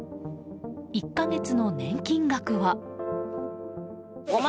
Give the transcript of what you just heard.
１か月の年金額は。